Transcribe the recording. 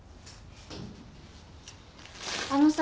あのさ。